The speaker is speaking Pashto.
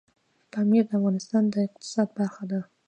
پامیر د افغانستان د اقتصاد برخه ده.